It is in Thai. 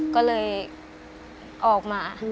ก็เลยออกมา